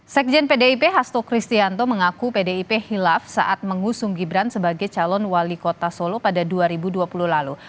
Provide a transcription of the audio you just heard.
sekjen pdip hasto kristianto mengaku pdip hilaf saat mengusung gibran sebagai calon wali kota solo pada dua ribu dua puluh lalu